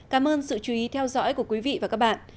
cảm ơn sự chú ý theo dõi của quý vị và các bạn